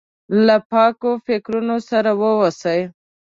له پاکو فکرونو سره واوسي.